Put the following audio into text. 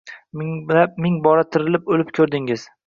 Ming bora tirilib-o’lib ko’rdingiz.